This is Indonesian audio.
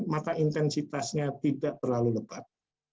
maka intensitasnya tidak terlalu lebat